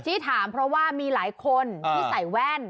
ที่ถามเพราะว่ามีหลายคนที่ใส่แว่น